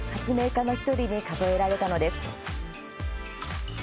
家の１人に数えられたのです。